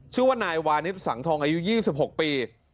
ชื่อว่านายวานิสสังทองอายุ๒๖ปี